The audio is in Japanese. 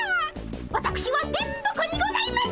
わたくしは電ボ子にございます！